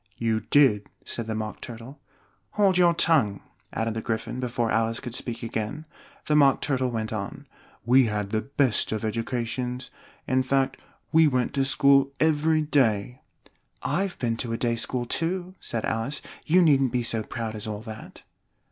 "You did," said the Mock Turtle. "Hold your tongue!" added the Gryphon, before Alice could speak again. The Mock Turtle went on. "We had the best of educations in fact, we went to school every day " "I've been to a day school too," said Alice; "you needn't be so proud as all that."